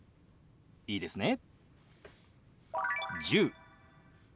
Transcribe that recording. いいですね？